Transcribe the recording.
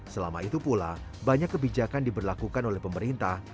selama itu pula banyak kebijakan diberlakukan oleh pemerintah